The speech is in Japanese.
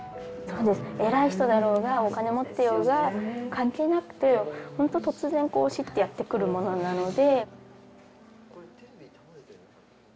偉い人だろうがお金持ってようが関係なくてほんと突然死ってやって来るものなので。